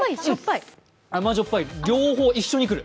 甘じょっぱい、両方一緒に来る。